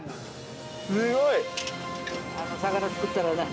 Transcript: すごい！